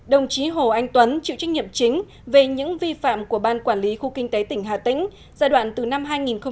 đồng chí hồ anh tuấn chịu trách nhiệm chính về những vi phạm của ban quản lý khu kinh tế tỉnh hà tĩnh giai đoạn từ năm hai nghìn một mươi hai nghìn một mươi sáu